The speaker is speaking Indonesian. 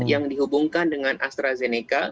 yang dihubungkan dengan astrazeneca